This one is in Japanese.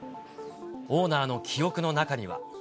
オーナーの記憶の中には。